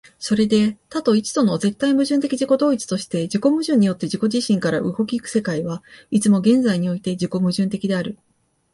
それで多と一との絶対矛盾的自己同一として、自己矛盾によって自己自身から動き行く世界は、いつも現在において自己矛盾的である。